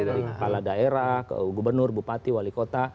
dari kepala daerah ke gubernur bupati wali kota